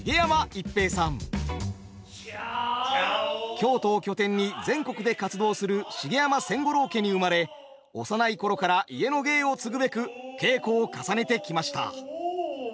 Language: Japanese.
京都を拠点に全国で活動する茂山千五郎家に生まれ幼い頃から家の芸を継ぐべく稽古を重ねてきました。